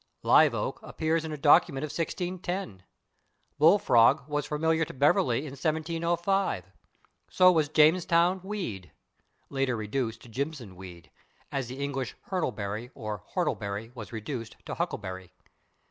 /Live oak/ appears in a document of 1610; /bull frog/ was familiar to Beverley in 1705; so was /James Town weed/ (later reduced to /Jimson weed/, as the English /hurtleberry/ or /whortleberry/ was reduced to /huckleberry